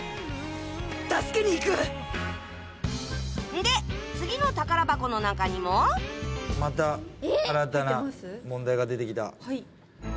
んで次の宝箱の中にもまた新たな問題が出てきた。